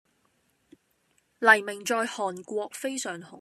黎明在韓國非常紅